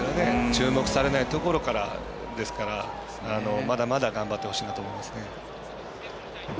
注目されないところからまだまだ頑張ってほしいなと思います。